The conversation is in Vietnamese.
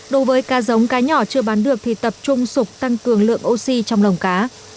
đối với cá giống cá nhỏ chưa bán được thì tập trung sụp tăng cường lượng oxy trong lồng cá